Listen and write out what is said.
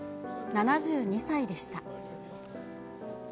７２歳でした。